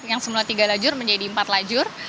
yang semula tiga lajur menjadi empat lajur